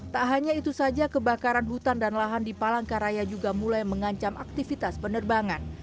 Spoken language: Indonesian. tak hanya itu saja kebakaran hutan dan lahan di palangkaraya juga mulai mengancam aktivitas penerbangan